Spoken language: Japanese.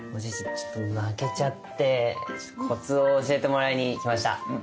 ちょっと負けちゃってコツを教えてもらいに来ました。